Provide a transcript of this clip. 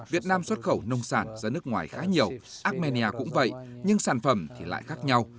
việt nam xuất khẩu nông sản ra nước ngoài khá nhiều armenia cũng vậy nhưng sản phẩm thì lại khác nhau